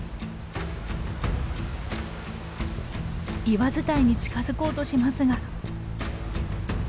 岩伝いに近づこうとしますが。